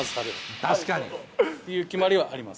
確かに。っていう決まりはあります。